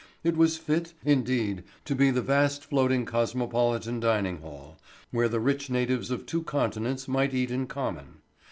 It was fit, indeed, to be the vast floating cosmopolitan dining hall, where the rich natives of two continents might eat in common.